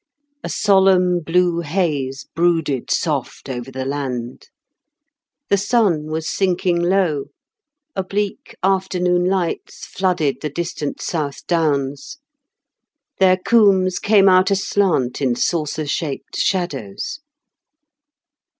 A solemn blue haze brooded soft over the land. The sun was sinking low; oblique afternoon lights flooded the distant South Downs. Their combes came out aslant in saucer shaped shadows.